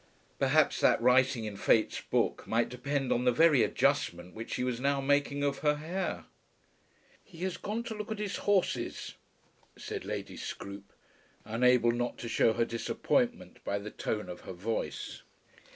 Perhaps that writing in Fate's book might depend on the very adjustment which she was now making of her hair. "He has gone to look at his horses," said Lady Scroope, unable not to shew her disappointment by the tone of her voice.